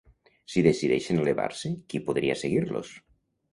Si decideixen elevar-se, qui podria seguir-los?